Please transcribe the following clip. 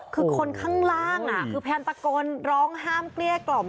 คือคนข้างล่างคือพยายามตะโกนร้องห้ามเกลี้ยกล่อม